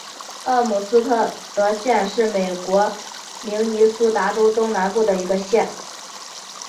奥姆斯特德县是美国明尼苏达州东南部的一个县。